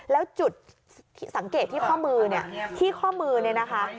แล้วจุดสังเกตที่ข้อมือเนี่ยที่ข้อมือเนี่ยนะคะ